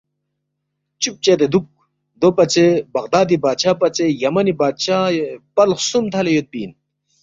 چُب چدے دُوک دوپژے بغدادی بادشاہ پژے یمنی بادشاہ پل خسُوم تھلے یودپی اِن